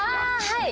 はい。